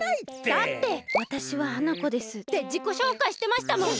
だって「わたしは花子です」ってじこしょうかいしてましたもん。